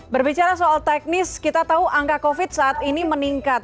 berbicara soal teknis kita tahu angka covid saat ini meningkat